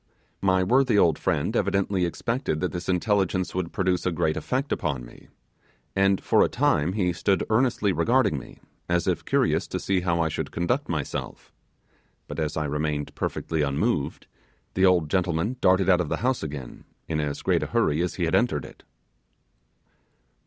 My worthy old friend evidently expected that this intelligence would produce a great effect upon me, and for a time he stood earnestly regarding me, as if curious to see how I should conduct myself, but as I remained perfectly unmoved, the old gentleman darted out of the house again, in as great a hurry as he had entered it.